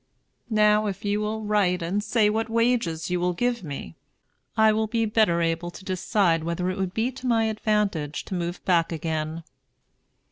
Now if you will write and say what wages you will give me, I will be better able to decide whether it would be to my advantage to move back again.